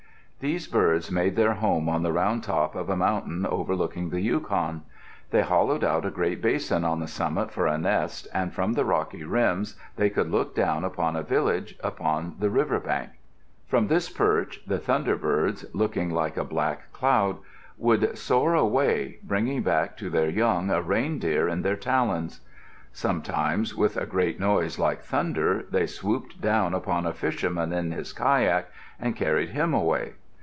These birds made their home on the round top of a mountain overlooking the Yukon. They hollowed out a great basin on the summit for a nest, and from the rocky rims they could look down upon a village upon the river bank. From this perch the thunderbirds, looking like a black cloud, would soar away, bringing back to their young a reindeer in their talons. Sometimes with a great noise like thunder they swooped down upon a fisherman in his kayak and carried him away.